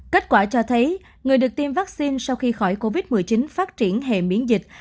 kết quả cho thấy người được tiêm vaccine sau khi khỏi covid một mươi chín phát triển hệ miễn dịch